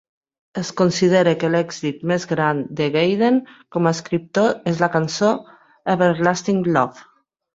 Es considera que l'èxit més gran de Gayden com a escriptor és la cançó "Everlasting Love".